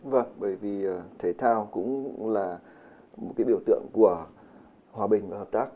vâng bởi vì thể thao cũng là một cái biểu tượng của hòa bình và hợp tác